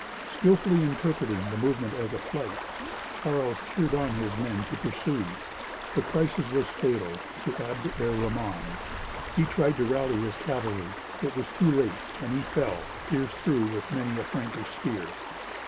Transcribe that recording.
Skilfully interpreting the movement as a flight, Charles cheered on his men to pursue. The crisis was fatal to Abd er rahman. He tried to rally his cavalry. It was too late; and he fell, pierced through with many a Frankish spear.